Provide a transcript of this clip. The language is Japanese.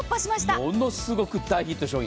ものすごい大ヒット商品。